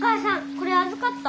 これ預かった。